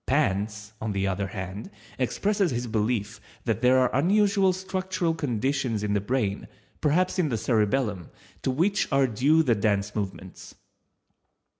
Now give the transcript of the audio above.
_ Panse, on the other hand, expresses his belief that there are unusual structural conditions in the brain, perhaps in the cerebellum, to which are due the dance movements.